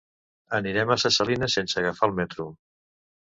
Anirem a Ses Salines sense agafar el metro.